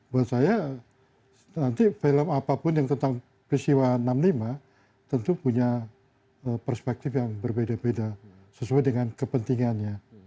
buat saya nanti film apapun yang tentang peristiwa enam puluh lima tentu punya perspektif yang berbeda beda sesuai dengan kepentingannya